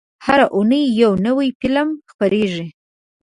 هره اونۍ یو نوی فلم خپرېږي.